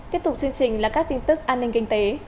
tiếp tục chương trình là các tin tức an ninh kinh tế